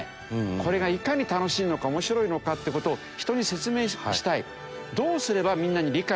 これがいかに楽しいのか面白いのかって事を人に説明したい。